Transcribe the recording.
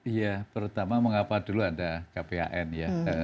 iya pertama mengapa dulu ada kpan ya